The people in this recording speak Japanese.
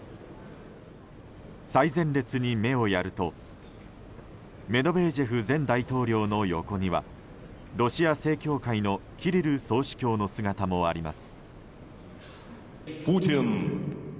最前列に目をやるとメドベージェフ前大統領の横にはロシア正教会のキリル総主教の姿もあります。